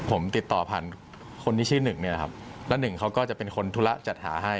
ผมติดต่อผ่านคนที่ชื่อหนึ่งเนี่ยนะครับแล้วหนึ่งเขาก็จะเป็นคนธุระจัดหาให้